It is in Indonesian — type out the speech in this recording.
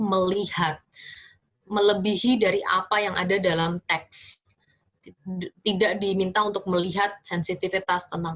melihat melebihi dari apa yang ada dalam teks tidak diminta untuk melihat sensitivitas tentang